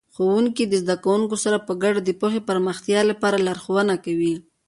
ښوونکي د زده کوونکو سره په ګډه د پوهې پراختیا ته لارښوونه کوي.